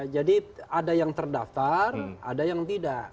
jadi ada yang terdaftar ada yang tidak